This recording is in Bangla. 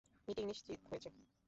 মিটিং নিশ্চিত হয়েছে?